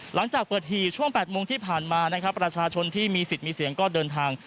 หลังจากเปิดหี่ช่วง๘โมงที่ผ่านมานะครับประชาชนที่มีสิทธิ์มีเสียงก็เดินทาง